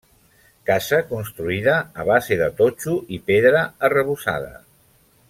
Casa construïda a base de totxo i pedra, arrebossada.